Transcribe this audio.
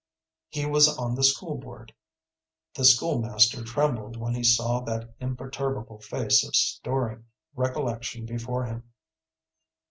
He was on the school board. The school master trembled when he saw that imperturbable face of storing recollection before him.